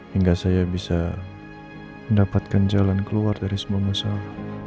hingga saya bisa mendapatkan jalan keluar dari semua masalah